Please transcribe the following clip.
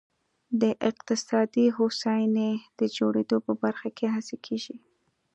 د اقتصادي هوساینې د جوړېدو په برخه کې هڅې کېږي.